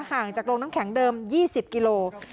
ห่างจากโรงน้ำแข็งเดิม๒๐กิโล